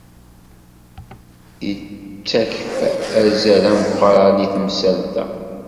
Yettakf azal ameqran i temsalt-a.